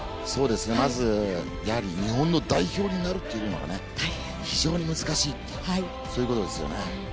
まず日本の代表になるということが非常に難しいそういうことですよね。